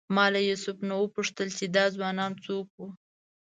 ما له یوسف نه وپوښتل چې دا ځوانان څوک وو.